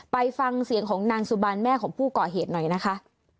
ไปฟังเสียงของนางสุบันแม่ของผู้ก่อเหตุหน่อยนะคะ